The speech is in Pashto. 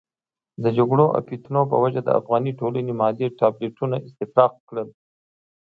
د جګړو او فتنو په وجه د افغاني ټولنې معدې ټابلیتونه استفراق کړل.